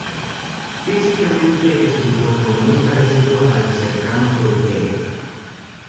Físicamente es un cuerpo muy parecido al cercano Prometeo.